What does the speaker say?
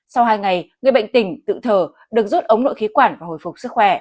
sau hai ngày người bệnh tỉnh tự thờ được rút ống nội khí quản và hồi phục sức khỏe